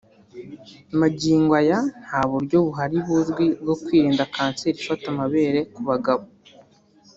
Magingo ya nta buryo buhari buzwi bwo kwirinda kanseri ifata amabere ku bagabo